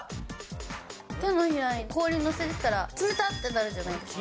手のひらに氷載せてたら、つめたってなるじゃないですか。